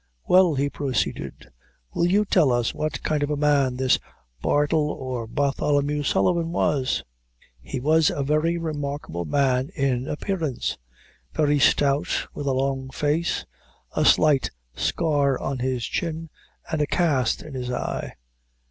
Well," he proceeded, "will you tell us what kind of a man this Bartle or Bartholomew Sullivan was?" "He was a very remarkable man in appearance; very stout, with a long face, a slight scar on his chin, and a cast in his eye."